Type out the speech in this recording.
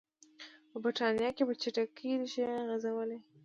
په برېټانیا کې په چټکۍ ریښې غځولې.